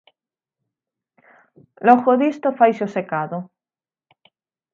Logo disto faise o secado.